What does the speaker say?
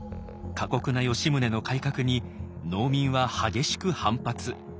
過酷な吉宗の改革に農民は激しく反発。